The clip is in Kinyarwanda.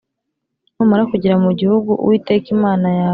Numara kugera mu gihugu Uwiteka Imana yawe